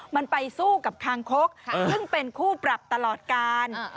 มันไปสู้กับคางคกซึ่งเป็นคู่ปรับตลอดการ